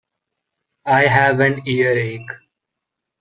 I have an earache